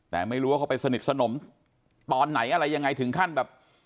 แต่ไม่รู้ว่าเขาไปสนิทสนมตอนไหนอะไรยังไงถึงขั้นแบบ